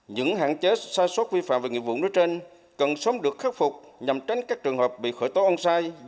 những hạn chế sai sót vi phạm về nghiệp vụ nơi trên cần sớm được khắc phục nhằm tránh các trường hợp bị khởi tố on site